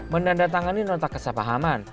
menandatangani notak kesahpahaman